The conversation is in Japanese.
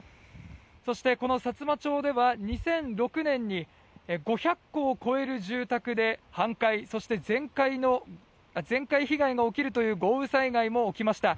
そして、このさつま町では２００６年に５００戸を超える住宅で半壊そして全壊被害が起きるという豪雨災害も起きました。